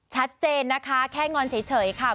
ชัดเจนนะคะแค่งอนเฉยค่ะ